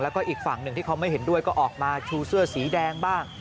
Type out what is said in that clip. แล้วก็อีกฝั่งหนึ่งที่เขาไม่เห็นด้วยก็ออกมาชูเสื้อสีแดงบ้าง